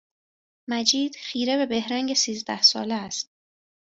مجید خیره به بهرنگ سیزده ساله است